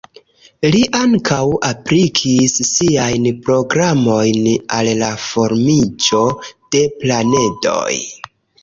Li ankaŭ aplikis siajn programojn al la formiĝo de planedoj.